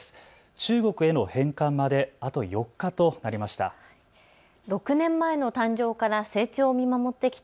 中国への返還まであと４日となりました。